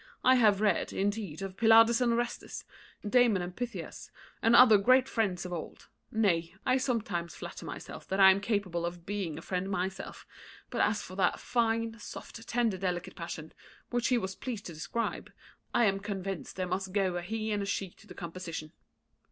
I have read, indeed, of Pylades and Orestes, Damon and Pythias, and other great friends of old; nay, I sometimes flatter myself that I am capable of being a friend myself; but as for that fine, soft, tender, delicate passion, which he was pleased to describe, I am convinced there must go a he and a she to the composition."